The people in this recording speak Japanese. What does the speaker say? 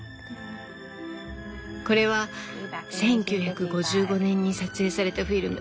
これは１９５５年に撮影されたフィルム。